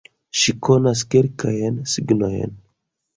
Ŝi konas kelkajn signojn